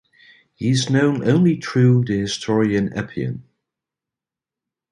He is known only through the historian Appian.